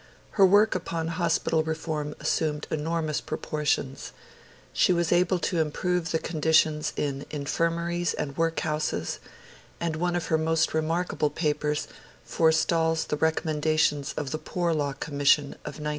Her work upon hospital reform assumed enormous proportions; she was able to improve the conditions in infirmaries and workhouses; and one of her most remarkable papers forestalls the recommendations of the Poor Law Commission of 1909.